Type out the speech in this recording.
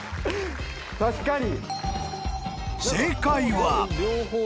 確かに！